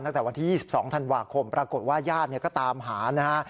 ตั้งแต่วันที่๒๒ธันวาคมปรากฏว่าญาติก็ตามหานะฮะ